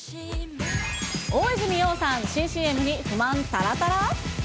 大泉洋さん、新ＣＭに不満たらたら？